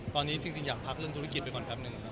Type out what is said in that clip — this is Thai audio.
ตอนนี้จริงอยากพักเรื่องธุรกิจไปก่อนแปบนึง